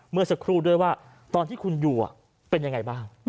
เมื่อสักครู่ด้วยว่าตอนที่คุณอยู่เป็นยังไงบ้าง